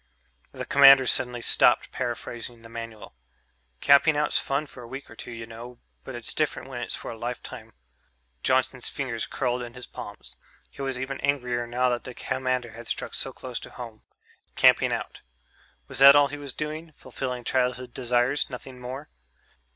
The commander suddenly stopped paraphrasing the Manual. "Camping out's fun for a week or two, you know, but it's different when it's for a lifetime." Johnson's fingers curled in his palms ... he was even angrier now that the commander had struck so close to home. Camping out ... was that all he was doing fulfilling childhood desires, nothing more?